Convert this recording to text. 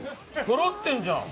そろってるじゃん。